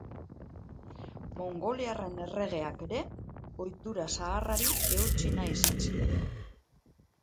Mongoliarren erregeak ere ohitura zaharrari eutsi nahi izan zion.